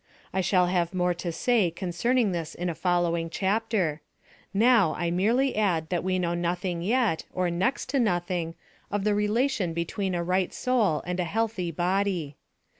I shall have more to say concerning this in a following chapter now I merely add that we know nothing yet, or next to nothing, of the relation between a right soul and a healthy body.